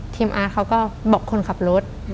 อาร์ตเขาก็บอกคนขับรถ